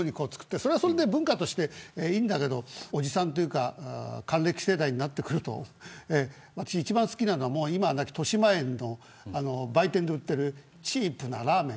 それはそれで文化としていいんだけどおじさんというか還暦世代になってくると一番好きなのは、今はなきとしまえんの売店で売ってるチープなラーメン。